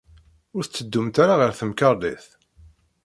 Ur tetteddumt ara ɣer temkarḍit.